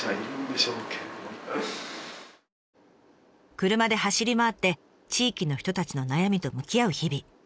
車で走り回って地域の人たちの悩みと向き合う日々。